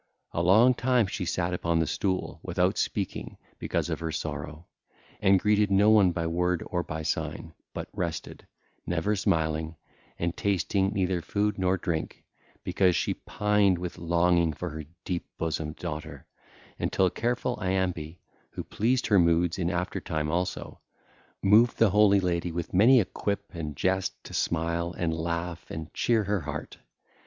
A long time she sat upon the stool 2506 without speaking because of her sorrow, and greeted no one by word or by sign, but rested, never smiling, and tasting neither food nor drink, because she pined with longing for her deep bosomed daughter, until careful Iambe—who pleased her moods in aftertime also—moved the holy lady with many a quip and jest to smile and laugh and cheer her heart.